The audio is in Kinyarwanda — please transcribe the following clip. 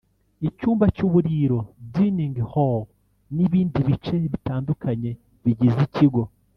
icyumba cy’uburiro (dining hall) n’ibindi bice bitandukanye bigize ikigo